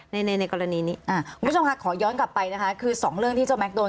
ในในกรณีนี้คุณผู้ชมค่ะขอย้อนกลับไปนะคะคือสองเรื่องที่เจ้าแม็กโดน